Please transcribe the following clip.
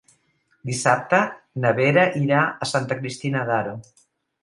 Dissabte na Vera irà a Santa Cristina d'Aro.